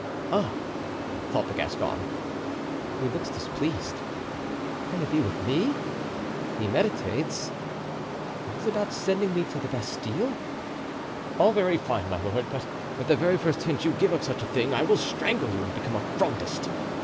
"Ah!" thought the Gascon; "he looks displeased. Can it be with me? He meditates. Is it about sending me to the Bastile? All very fine, my lord, but at the very first hint you give of such a thing I will strangle you and become Frondist.